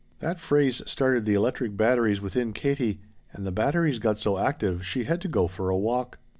That phrase started the electric batteries within Katie and the batteries got so active she had to go for a walk.